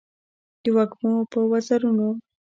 د وږمو په وزرونو